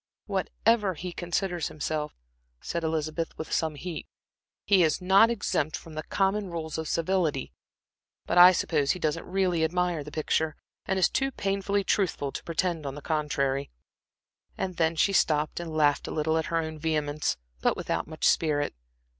"Whatever he considers himself," said Elizabeth, with some heat, "he is not exempt from the common rules of civility. But I suppose he doesn't really admire the picture, and is too painfully truthful to pretend to the contrary." And then she stopped and laughed a little at her own vehemence, but without much spirit.